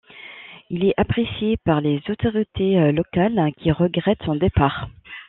Il est apprécié par les autorités locales qui regrettent son départ.